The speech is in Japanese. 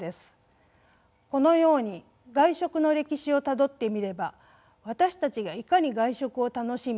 このように外食の歴史をたどってみれば私たちがいかに外食を楽しみ